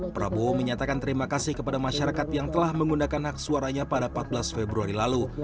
prabowo menyatakan terima kasih kepada masyarakat yang telah menggunakan hak suaranya pada empat belas februari lalu